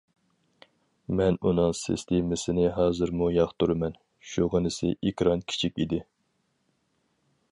مەن ئۇنىڭ سىستېمىسىنى ھازىرمۇ ياقتۇرىمەن، شۇغىنىسى ئېكران كىچىك ئىدى.